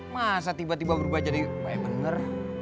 masa tiba tiba berubah jadi baik bener